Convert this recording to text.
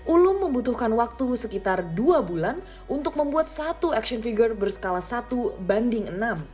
ulum membutuhkan waktu sekitar dua bulan untuk membuat satu action figure berskala satu banding enam